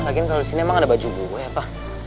lagian kalo disini emang ada baju gue apa